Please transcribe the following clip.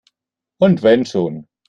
Und wenn schon!